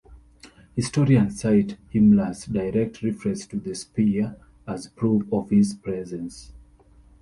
Historians cite Himmler's direct reference to Speer as proof of his presence.